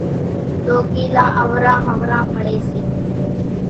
ڏوڪيلان اوران ۿوران پڙي سي،